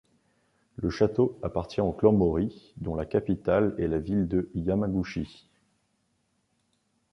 Le château appartient au clan Mōri dont la capitale est la ville de Yamaguchi.